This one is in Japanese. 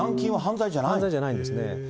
犯罪じゃないんですね。